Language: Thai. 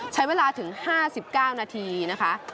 ใช้เวลาถึง๕๙นาทีนะคะ